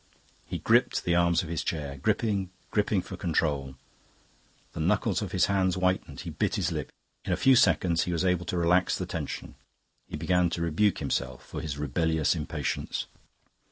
He gripped the arms of his chair gripping, gripping for control. The knuckles of his hands whitened; he bit his lip. In a few seconds he was able to relax the tension; he began to rebuke himself for his rebellious impatience.